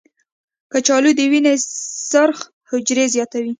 کچالو د وینې سرخ حجرې زیاتوي.